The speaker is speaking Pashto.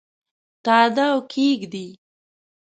تاداو کښېږدي